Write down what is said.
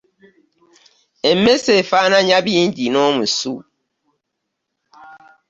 Emmese efaananya bingi n'omusu.